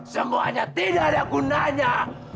semuanya tidak ada gunanya